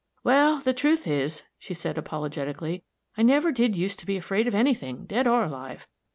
"Wal, the truth is," she said apologetically, "I never did used to be afraid of any thing, dead or alive.